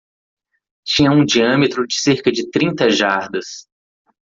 Tinha um diâmetro de cerca de trinta jardas.